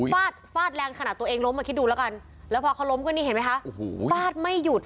ฟาดฟาดแรงขนาดตัวเองล้มอ่ะคิดดูแล้วกันแล้วพอเขาล้มก็นี่เห็นไหมคะฟาดไม่หยุด